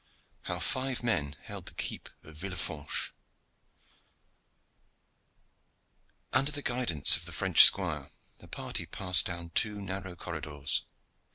HOW FIVE MEN HELD THE KEEP OF VILLEFRANCHE Under the guidance of the French squire the party passed down two narrow corridors.